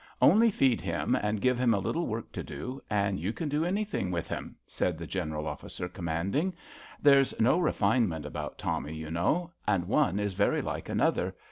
Only feed him and give him a little work to do, and you can do any thing with him,'* said the General Officer Com manding. *' There's no refinement about Tommy, you know; and one is very like another.